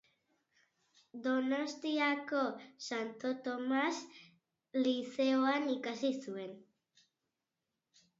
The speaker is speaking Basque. Donostiako Santo Tomas Lizeoan ikasi zuen.